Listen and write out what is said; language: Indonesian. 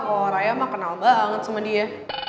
ko ray emang kenal banget sama dia